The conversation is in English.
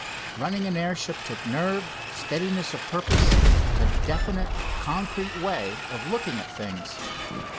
Running an airship took nerve, steadiness of purpose, a definite, concrete way of looking at things.